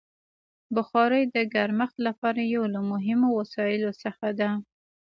بخاري د ګرمښت لپاره یو له مهمو وسایلو څخه ده.